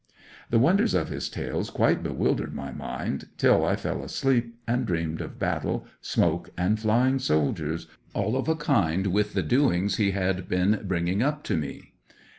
The wonders of his tales quite bewildered my mind, till I fell asleep and dreamed of battle, smoke, and flying soldiers, all of a kind with the doings he had been bringing up to me.